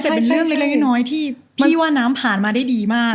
แต่เป็นเรื่องเล็กน้อยที่พี่ว่าน้ำผ่านมาได้ดีมาก